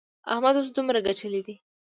احمد اوس دومره ګټلې دي.